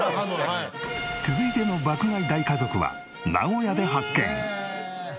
続いての爆買い大家族は名古屋で発見。